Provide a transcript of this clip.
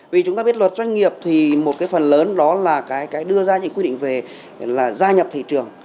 vì chúng ta biết luật doanh nghiệp thì một phần lớn đó là đưa ra những quy định về gia nhập thị trường